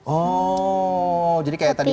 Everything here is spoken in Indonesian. oh jadi kayak tadi